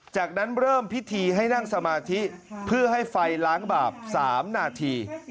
จากนั้นเริ่มพิธีให้นั่งสมาธิเพื่อให้ไฟล้างบาป๓นาที